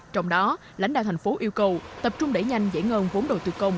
trong đó lãnh đạo thành phố yêu cầu tập trung đẩy nhanh giải ngân vốn đầu tư công